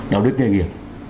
đạo đức nghề nghiệp